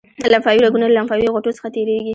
لمفاوي رګونه له لمفاوي غوټو څخه تیریږي.